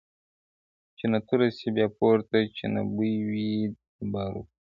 چي نه توره سي بیا پورته چي نه بوی وي د باروتو -